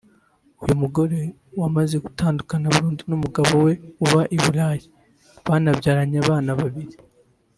uyu mugore wamaze gutandukana burundu n’umugabo we uba i Burayi banabyaranye abana babiri